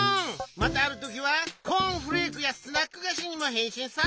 またあるときはコーンフレークやスナックがしにもへんしんさ！